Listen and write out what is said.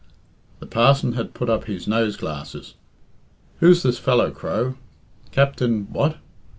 The parson had put up his nose glasses. "Who's this fellow, Crow? Captain what?